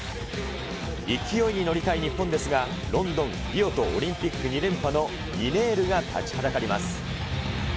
勢いに乗りたい日本ですが、ロンドン、リオとオリンピック２連覇のリネールが立ちはだかります。